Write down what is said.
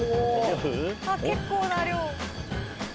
結構な量。